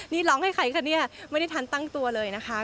นี่ร้องให้ใครคะเนี่ยไม่ได้ทันตั้งตัวเลยนะคะ